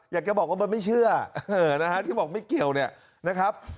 อยากจะบอกว่ามันไม่เชื่อนะฮะที่บอกไม่เกี่ยวเนี่ยนะครับ